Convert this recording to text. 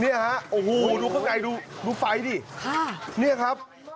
เนี่ยฮะโอ้โหดูข้างในดูไฟดิค่ะเนี่ยครับ